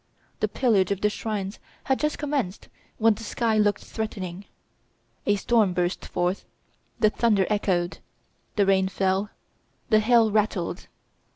The pillage of the shrines had just commenced when the sky looked threatening; a storm burst forth, the thunder echoed, the rain fell, the hail rattled.